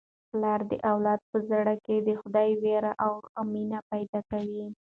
پلار د اولاد په زړه کي د خدای وېره او مینه پیدا کوي.